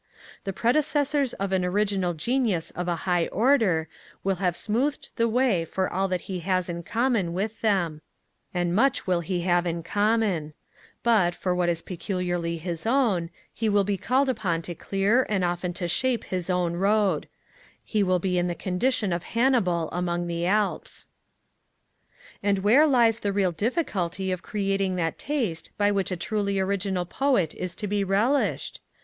The predecessors of an original Genius of a high order will have smoothed the way for all that he has in common with them; and much he will have in common; but, for what is peculiarly his own, he will be called upon to clear and often to shape his own road: he will be in the condition of Hannibal among the Alps. And where lies the real difficulty of creating that taste by which a truly original poet is to be relished?